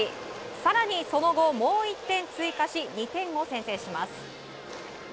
更に、その後もう１点追加し２点を先制します。